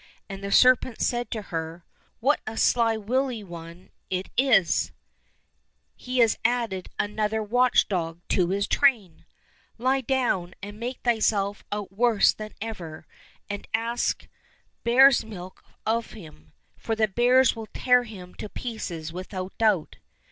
And the serpent said to her, " What a sly, wily one it is ! He has added another watch dog to his train ! Lie down, and make thyself out worse than ever, and ask bear's milk of him, for the bears will tear him to pieces without doubt."